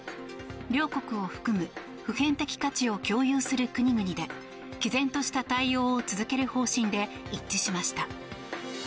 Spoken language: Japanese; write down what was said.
両国を含む普遍的価値を共有する国々で毅然とした対応を続ける方針で一致しました。